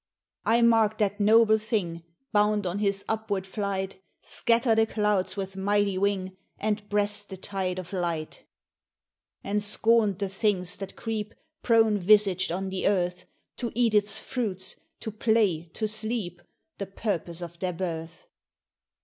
"I mark'd that noble thing Bound on his upward flight, Scatter the clouds with mighty wing, And breast the tide of light "And scorn'd the things that creep Prone visaged on the Earth; To eat it's fruits, to play, to sleep, The purpose of their birth.